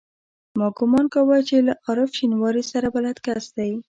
ما ګومان کاوه چې له عارف شینواري سره بلد کس دی.